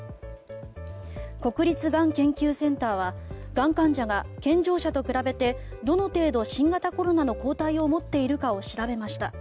国立がん研究センターはがん患者が健常者と比べてどの程度、新型コロナの抗体を持っているかを調べました。